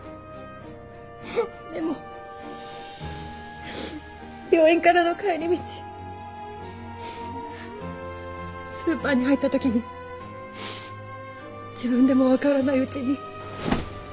でも病院からの帰り道スーパーに入った時に自分でもわからないうちに。